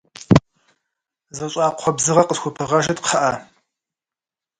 Зы щӏакхъуэ бзыгъэ къысхупыгъэжыт, кхъыӏэ.